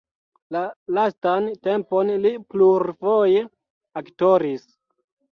La lastan tempon li plurfoje aktoris.